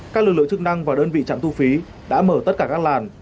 các lực lượng chức năng và đơn vị trạm thu phí đã mở tất cả các làn